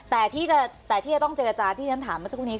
แต่ที่จะต้องเจรจาที่ฉันถามเมื่อสักครู่นี้